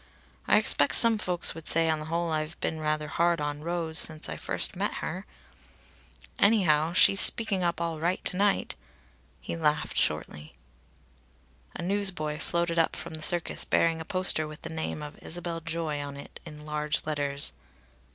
I expect some folks would say on the whole I've been rather hard on Rose since I first met her! ... Anyhow, she's speaking up all right to night!" He laughed shortly. A newsboy floated up from the Circus bearing a poster with the name of Isabel Joy on it in large letters.